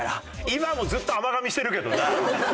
今もずっと甘噛みしてるけどな。